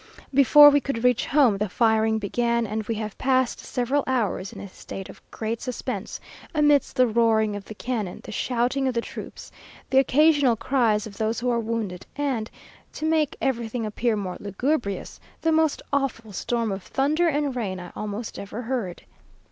Before we could reach home the firing began, and we have passed several hours in a state of great suspense, amidst the roaring of the cannon, the shouting of the troops, the occasional cries of those who are wounded, and, to make everything appear more lugubrious, the most awful storm of thunder and rain I almost ever heard.